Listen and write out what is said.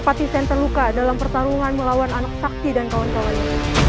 sempatisen terluka dalam pertarungan melawan anak sakti dan kawan kawannya